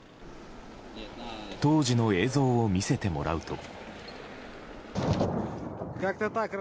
当時の映像を見せてもらうと。